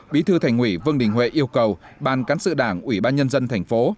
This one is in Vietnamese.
bí thư thành ủy vương đình huệ yêu cầu ban cán sự đảng ủy ban nhân dân thành phố